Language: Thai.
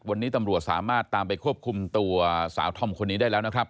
วันนี้ตำรวจสามารถตามไปควบคุมตัวสาวธอมคนนี้ได้แล้วนะครับ